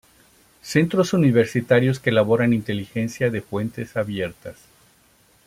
Centros Universitarios que elaboran inteligencia de fuentes abiertas.